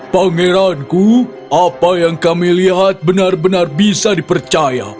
pangeranku apa yang kami lihat benar benar bisa dipercaya